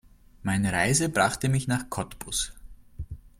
Meine Reise brachte mich nach Cottbus